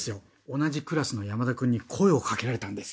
同じクラスの山田くんに声をかけられたんです。